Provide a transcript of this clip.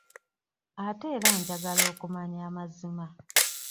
Ate era njagala okumanya amazima.